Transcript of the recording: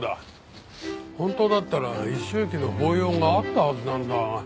本当だったら一周忌の法要があったはずなんだが。